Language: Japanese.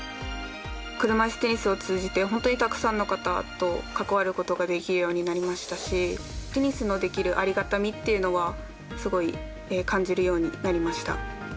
車いすテニスを通じて本当に、たくさんの方と関わることができるようになりましたしテニスのできるありがたみっていうのはすごい感じるようになりました。